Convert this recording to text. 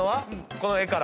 この絵から。